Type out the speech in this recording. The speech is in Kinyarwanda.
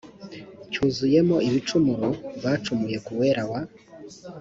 cyuzuyemo ibicumuro bacumuye ku uwera wa